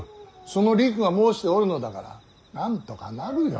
そのりくが申しておるのだからなんとかなるよ。